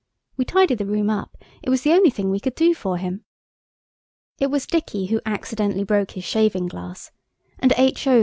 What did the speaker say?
We tidied the room up–it was the only thing we could do for him. It was Dicky who accidentally broke his shaving glass, and H.O.